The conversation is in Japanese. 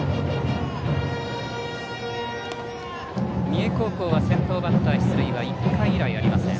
三重高校は先頭バッター出塁は１回以来、ありません。